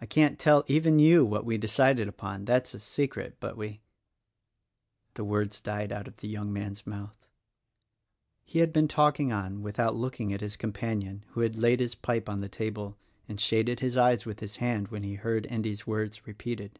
I can't tell even you what we decided upon,— that's a secret; but we—" The words died out of the young man's mouth. He I Srff. 8 ° n without looking at his companion who had laid his pipe on the table and shaded his e V es with his hand when he heard Endv's words repeated.